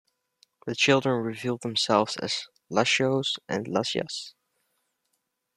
The children revealed themselves as Latios and Latias.